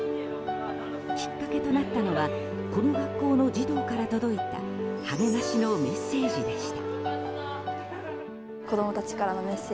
きっかけとなったのはこの学校の児童から届いた励ましのメッセージでした。